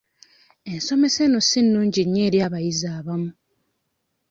Ensomesa eno si nnungi nnyo eri abayizi abamu.